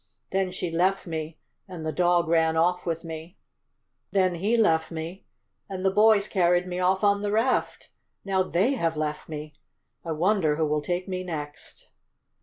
Then she left me and the dog ran off with me. Then he left me, and the boys carried me off on the raft. Now they have left me. I wonder who will take me next?"